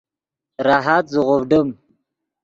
راحت زیغوڤڈیم